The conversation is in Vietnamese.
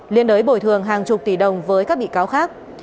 liên đới bồi thường hàng chục tỷ đồng với các bị cáo khác